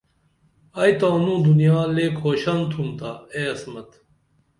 ائی تانوں دنیا لے کُھوشن تُھومتا اے عصمت